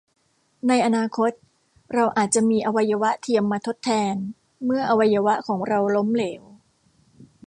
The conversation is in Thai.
ในอนาคต เราอาจจะมีอวัยวะเทียมมาทดแทนเมื่ออวัยวะของเราล้มเหลว